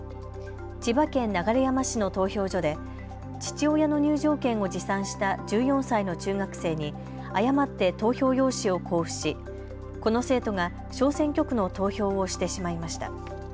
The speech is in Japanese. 千葉県流山市の投票所で父親の入場券を持参した１４歳の中学生に誤って投票用紙を交付しこの生徒が小選挙区の投票をしてしまいました。